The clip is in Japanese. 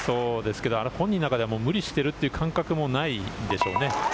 本人の中では無理してるという感覚もないでしょうね。